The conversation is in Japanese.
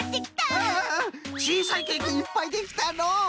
ちいさいケーキいっぱいできたのう！